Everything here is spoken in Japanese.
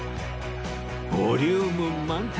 ボリューム満点！